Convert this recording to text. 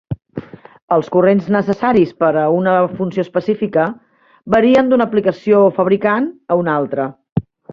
Els corrents necessaris per a una funció específica varien d'una aplicació o fabricant a un altre.